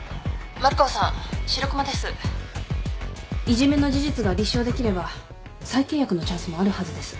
いじめの事実が立証できれば再契約のチャンスもあるはずです。